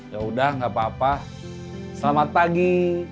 yaudah gak apa apa selamat pagi